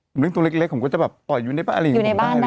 ผมเลี้ยงตัวเล็กผมก็จะแบบต่อยอยู่ในบ้านอะไรอย่างนี้